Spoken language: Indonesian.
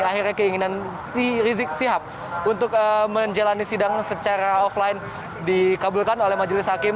akhirnya keinginan si rizik sihab untuk menjalani sidang secara offline dikabulkan oleh majelis hakim